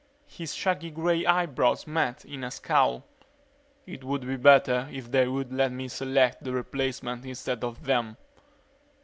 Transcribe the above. His shaggy gray eyebrows met in a scowl. "It would be better if they would let me select the replacement instead of them."